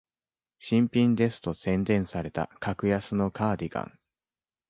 新品ですと宣伝された格安のカーディガン